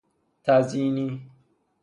تزیینی